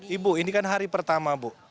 ibu ini kan hari pertama bu